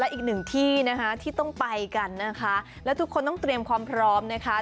อีกหนึ่งที่นะคะที่ต้องไปกันนะคะแล้วทุกคนต้องเตรียมความพร้อมนะคะ